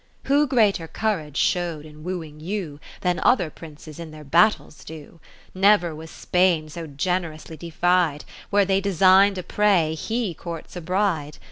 Who greater courage show'd in wooing you, Than other Princes in their battles do. Never was Spainsogenerously defied ; Where they design'd a prey, he courts a bride.